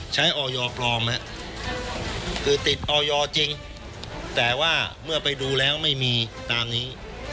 ออยปลอมคือติดออยจริงแต่ว่าเมื่อไปดูแล้วไม่มีตามนี้